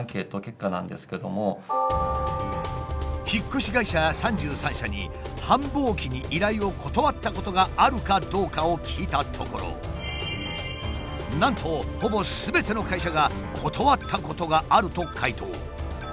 引っ越し会社３３社に繁忙期に依頼を断ったことがあるかどうかを聞いたところなんとほぼすべての会社が「断ったことがある」と回答。